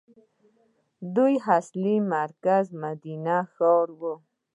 دوی اصلي مرکز د مدینې ښار وو.